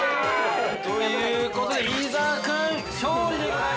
◆ということで、伊沢君勝利でございます。